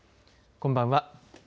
こんばんは。